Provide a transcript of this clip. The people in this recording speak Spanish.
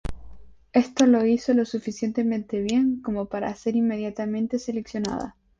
Esto lo hizo lo suficientemente bien como para ser inmediatamente seleccionada.